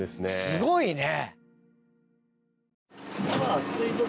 すごいね！